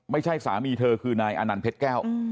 สามีเธอคือนายอนันต์เพชรแก้ว